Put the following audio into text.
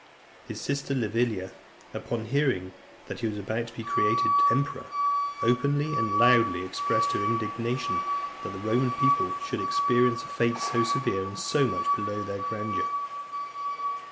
His sister, Livilla, upon hearing that he was about to be created emperor, openly and loudly expressed her indignation that the Roman people should experience a fate so severe and so much below their grandeur.